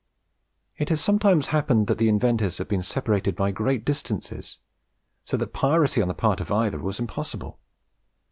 It has sometimes happened that the inventors have been separated by great distances, so that piracy on the part of either was impossible.